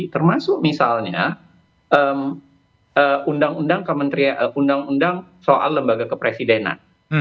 termasuk misalnya undang undang soal lembaga kepresidenan